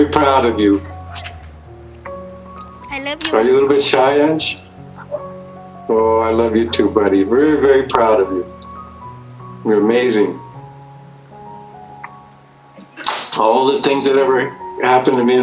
ทุกอย่างที่เติบใจฉันในชีวิตในชีวิตชีวิตที่ฉันทำเลย